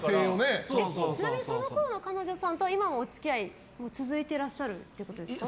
ちなみにそのころの彼女さんとは今もお付き合いが続いていらっしゃるということですか？